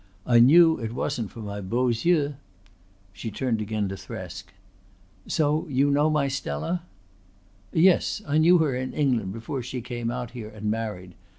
I knew it wasn't for my beaux yeux." She turned again to Thresk. "So you know my Stella?" "Yes. I knew her in England before she came out here and married.